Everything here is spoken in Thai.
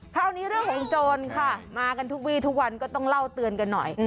คราวนี้เรื่องของโจรค่ะมากันทุกวีทุกวันก็ต้องเล่าเตือนกันหน่อย